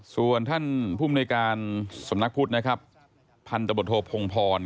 ส่วนท่านภูมิในการสพศพันธบทโทภพงพล